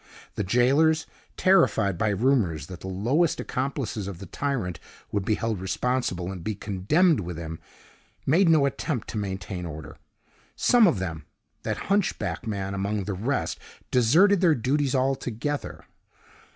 The jailers, terrified by rumors that the lowest accomplices of the tyrant would be held responsible, and be condemned with him, made no attempt to maintain order. Some of them that hunchback man among the rest deserted their duties altogether.